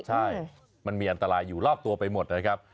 ใช่มันมีอันตรายอยู่รอบตัวไปหมดนะครับ